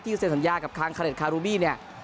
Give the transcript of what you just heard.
ที่เซศน์สัญญากับคล้างคาราเลสคารูบี้